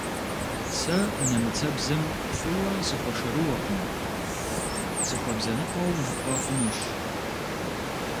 Сэ нэмыцэбзэм фӏыуэ сыхуэшэрыуэкъым, сыхуэбзэныкъуэу жыпӏэ хъунущ.